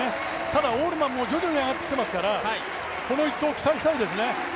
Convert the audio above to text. ただ、オールマンも徐々に上がってきていますからこの１投、期待したいですね。